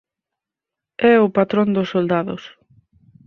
É o patrón dos soldados.